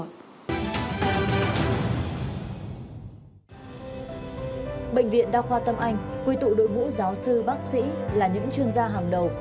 bệnh viện đa khoa tâm anh quy tụ đội ngũ giáo sư bác sĩ là những chuyên gia hàng đầu